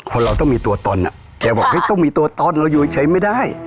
เราต้องมีตัวตนแกบอกต้องมีตัวตนเราอยู่ใช้ไม่ได้